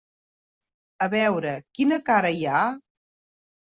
A veure, quina cara hi ha?